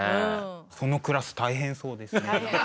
そのクラス大変そうですね。